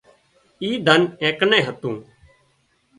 اي ڌن اين ڪنين هتون